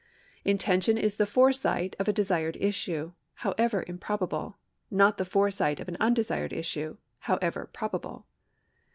Inten tion is the foresight of a desired issue, however improbable — not the foresight of an undesired issue, however probable.